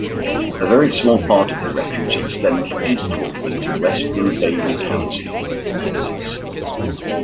A very small part of the refuge extends eastward into western Bailey County, Texas.